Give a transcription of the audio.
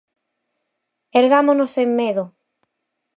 Ergámonos sen medo!